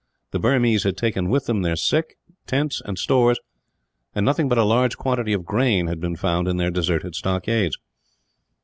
The Burmese had taken with them their sick, tents, and stores; and nothing but a large quantity of grain had been found in their deserted stockades.